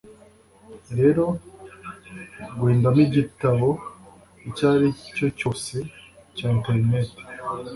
rero guhitamo igitabo icyo aricyo cyose cya enterineti